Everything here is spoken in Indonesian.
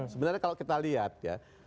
sebenarnya kalau kita lihat ya